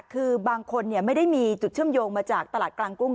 คือบางคนไม่ได้มีจุดเชื่อมโยงมาจากตลาดกลางกุ้ง